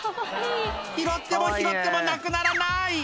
「拾っても拾ってもなくならない！」